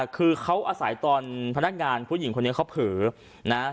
คือเขาอาศัยตอนพนักงานผู้หญิงคนนี้เขาเผลอนะ